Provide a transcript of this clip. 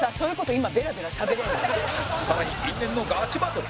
今さらに因縁のガチバトル！